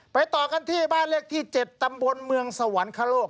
ต่อกันที่บ้านเลขที่๗ตำบลเมืองสวรรคโลก